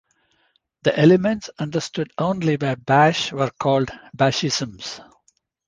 The elements understood only by bash were called bashisms.